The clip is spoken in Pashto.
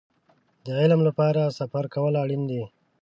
د علم لپاره سفر کول اړين دی.